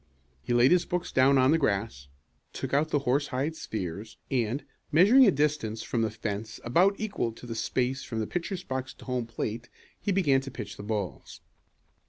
He laid his books down on the grass, took out the horsehide spheres and, measuring a distance from the fence about equal to the space from the pitcher's box to home plate, he began to pitch the balls.